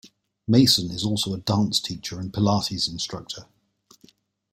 Mason is also a dance teacher and Pilates instructor.